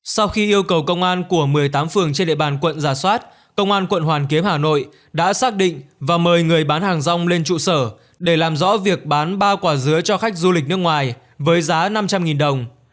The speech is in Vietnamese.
sau khi yêu cầu công an của một mươi tám phường trên địa bàn quận giả soát công an quận hoàn kiếm hà nội đã xác định và mời người bán hàng rong lên trụ sở để làm rõ việc bán ba quả dứa cho khách du lịch nước ngoài với giá năm trăm linh đồng